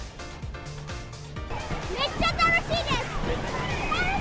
めっちゃ楽しいです！